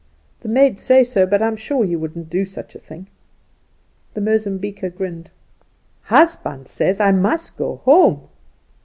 "The maids say so; but I'm sure you wouldn't do such a thing." The Mozambiquer grinned. "Husband says I must go home."